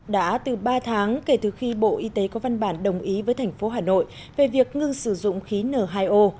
đã từ ba tháng kể từ khi bộ y tế có văn bản đồng ý với thành phố hà nội về việc ngưng sử dụng khí n hai o